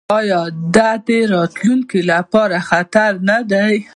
آیا دا د راتلونکي لپاره خطر نه دی؟